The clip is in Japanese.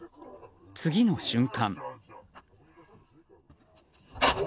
次の瞬間。